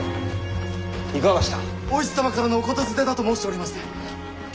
お市様からのお言づてだと申しておりまして。